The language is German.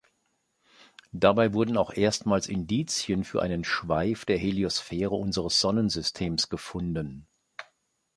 Dabei wurden auch erstmals Indizien für einen „Schweif“ der Heliosphäre unseres Sonnensystems gefunden.